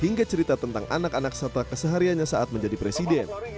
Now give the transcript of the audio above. hingga cerita tentang anak anak satwa kesehariannya saat menjadi presiden